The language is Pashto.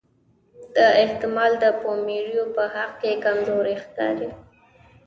دا احتمال د پومپیو په حق کې کمزوری ښکاري.